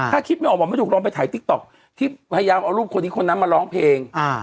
ถ้าคิดไม่ออกบอกไม่ถูกลองไปถ่ายติ๊กต๊อกที่พยายามเอารูปคนนี้คนนั้นมาร้องเพลง